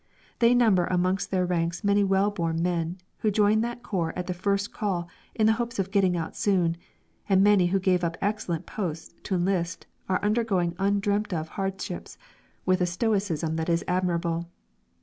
They number amongst their ranks many well born men, who joined that corps at the first call in the hopes of "getting out soon," and many who gave up excellent posts to enlist are undergoing undreamt of hardships with a stoicism that is admirable.